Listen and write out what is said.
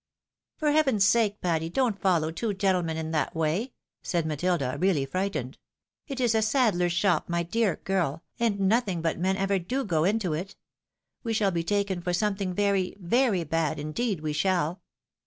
" For heaven's sake, Patty, don't follow two gentlemen in that way," said Matilda, really frightened. " It is a sad dler's shop, my dear girl, and nothing but men ever do go into it. We shall be taken for something very, very bad, in deed we shall."